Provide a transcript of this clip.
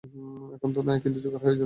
এখন তো নাই, কিন্তু জোগাড় হয়ে যাবে।